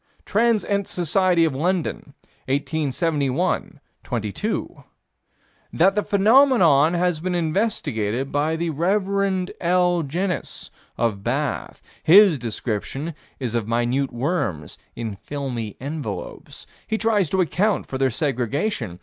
Trans. Ent. Soc. of London, 1871 proc. xxii: That the phenomenon has been investigated by the Rev. L. Jenyns, of Bath. His description is of minute worms in filmy envelopes. He tries to account for their segregation.